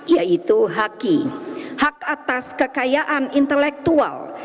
yaitu haki hak atas kekayaan intelektual